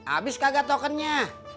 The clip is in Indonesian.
abis kagak tokennya